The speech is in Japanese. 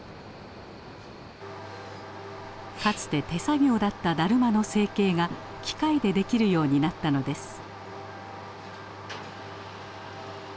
かつて手作業だっただるまの成型が機械でできるようになったのです。